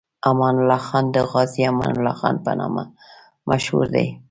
امان الله خان د غازي امان الله خان په نامه مشهور دی.